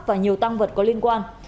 và nhiều tăng vật có liên quan